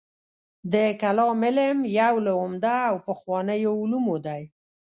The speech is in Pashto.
د کلام علم یو له عمده او پخوانیو علومو دی.